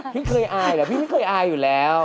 พี่เคยอายเหรอพี่ไม่เคยอายอยู่แล้ว